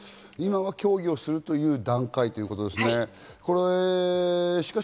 今は協議をするという段階ということですね。